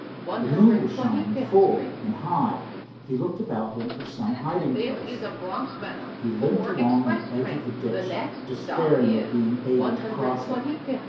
The moon was shining full and high. He looked about him for some hiding place. He limped along the edge of the ditch, despairing of being able to cross it.